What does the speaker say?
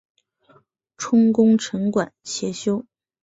充功臣馆协修。